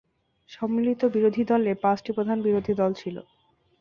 সম্মিলিত বিরোধী দলে পাঁচটি প্রধান বিরোধী দল ছিল।